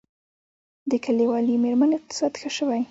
د کلیوالي میرمنو اقتصاد ښه شوی؟